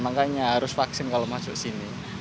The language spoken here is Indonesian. makanya harus vaksin kalau masuk sini